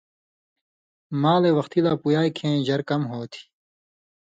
مالے وختی لا پویائ کھیں ژر کم ہوتھی۔